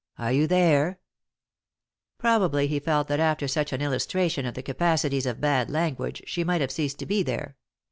" Are you there ?" Probably he felt that after such an illustration of the capacities of bad language she might have ceased to be there.